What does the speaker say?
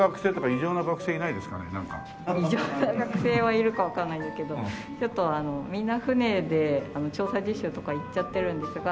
異常な学生はいるかわかんないんだけどちょっとみんな船で調査実習とか行っちゃってるんですが。